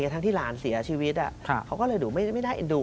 อะไรกะทั้งที่หลานเสียชีวิตอะค่ะเขาก็เลยดูไม่ไม่ได้